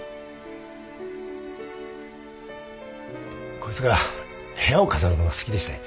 こいつが部屋を飾るのが好きでして。